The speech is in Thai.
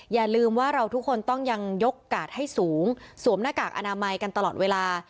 อย่าลืมว่าเราทุกคนต้องยังยกกาดให้สูงสวมหน้ากากอนามัยกันตลอดเวลา